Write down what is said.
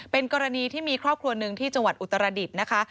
เป็นกรณีที่มีครอบครัวหนึ่งที่จังหวัดอุตรดิษฐ์นะคะ